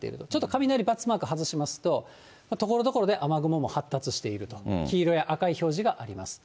雷、×マーク外しますと、ところどころで雨雲も発達していると、黄色や赤い表示があります。